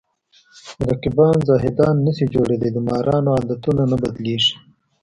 رقیبان زاهدان نشي جوړېدلی د مارانو عادتونه نه بدلېږي